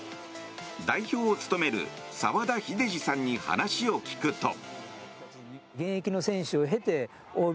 代表を務める沢田秀治さんに話を聞くと。